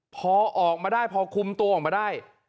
พอออกมาได้พอคุมตัวออกมาได้